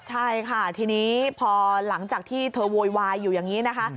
ใช่ค่ะทีนี้พอหลังจากที่เธอโวยวายอยู่อย่างนี้นะคะ